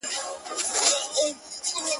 او دده اوښكي لا په شړپ بهيدې~